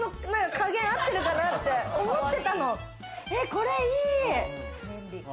これいい！